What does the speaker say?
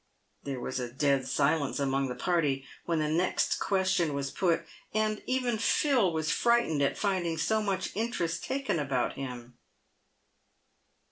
There was a dead silence among the party when the next question was put, and even Phil was frightened at finding so much interest taken about him.